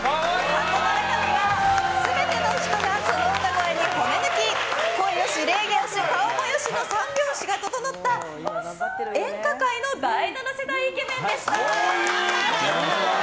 箱の中身は全ての人がその歌声に骨抜き声よし、礼儀よし、顔もよしの三拍子が整った演歌界の第７世代イケメンでした。